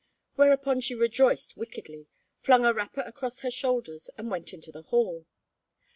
Whereupon she rejoiced wickedly, flung a wrapper across her shoulders, and went into the hall.